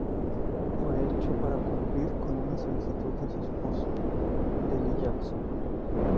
Fue hecho para cumplir con una solicitud de su esposo, Eli Jackson.